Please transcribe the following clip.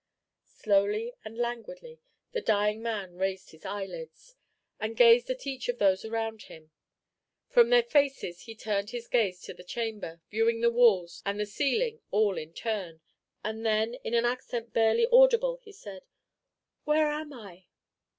Slowly and languidly the dying man raised his eyelids, and gazed at each of those around him. From their faces he turned his gaze to the chamber, viewing the walls and the ceiling all in turn; and then, in an accent barely audible, he said, "Where am I?"